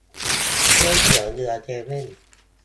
ก๋วยเตี๋ยวเรือเซเว่น